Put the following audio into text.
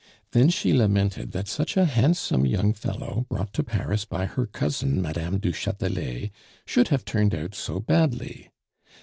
Then she lamented that such a handsome young fellow, brought to Paris by her cousin, Madame du Chatelet, should have turned out so badly.